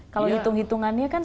kalau hitung hitungannya kan